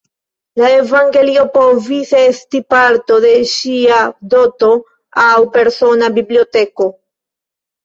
La Evangelio povis esti parto de ŝia doto aŭ persona biblioteko.